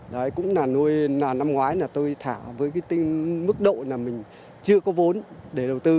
đấy cũng là nuôi năm ngoái là tôi thả với cái mức độ là mình chưa có vốn để đầu tư